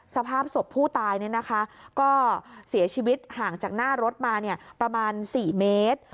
สภาพศพผู้ตายก็เสียชีวิตห่างจากหน้ารถมาประมาณ๔เมตร